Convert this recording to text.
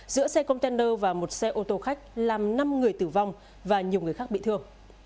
giữa xe container và một xe ô tô khách làm năm người tử vong và nhiều người khác bị thương